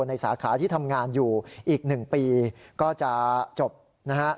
สาขาที่ทำงานอยู่อีก๑ปีก็จะจบนะฮะ